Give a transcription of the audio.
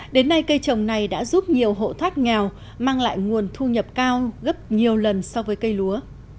đến nay cây trồng này đã giúp nhiều hộ thoát nghèo mang lại nguồn thu nhập cao gấp nhiều lần so với cây lúa